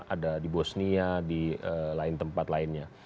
ada di bosnia di lain tempat lainnya